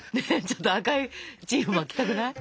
ちょっと赤いチーフ巻きたくない？